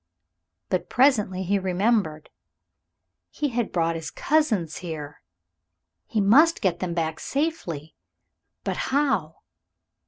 But presently he remembered. He had brought his cousins here he must get them back safely. But how?